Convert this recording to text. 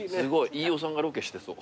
飯尾さんがロケしてそう。